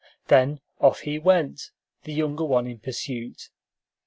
Then off he went, the younger one in pursuit.